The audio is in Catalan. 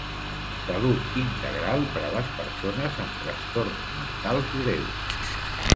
Salut integral per a les persones amb trastorns mentals greus.